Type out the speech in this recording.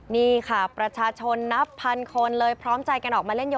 นี่ค่ะประชาชนนับพันคนเลยพร้อมใจกันออกมาเล่นยน